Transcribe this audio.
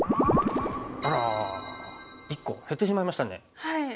あら１個。減ってしまいましたね。